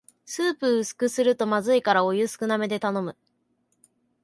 スープ薄くするとまずいからお湯少なめで頼む